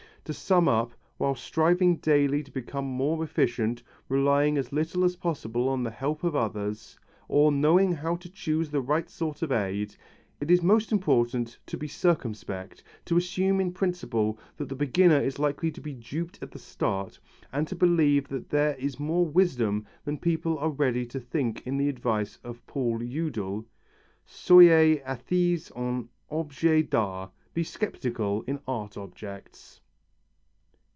To sum up, while striving daily to become more efficient, relying as little as possible on the help of others, or knowing how to choose the right sort of aid, it is most important to be circumspect, to assume in principle that the beginner is likely to be duped at the start, and to believe that there is more wisdom than people are ready to think in the advice of Paul Eudel, Soyez athées en objets d'art (Be sceptical in art objects!).